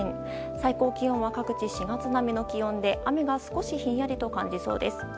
最高気温は各地４月並みの気温で雨が少しひんやりと感じそうです。